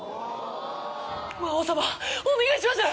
魔王様お願いします！